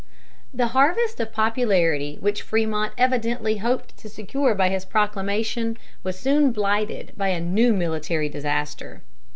The harvest of popularity which Frémont evidently hoped to secure by his proclamation was soon blighted by a new military disaster.